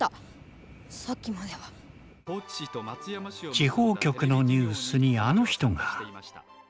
地方局のニュースにあの人が。